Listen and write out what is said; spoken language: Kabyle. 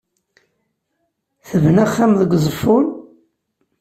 Tebna axxam deg Uzeffun?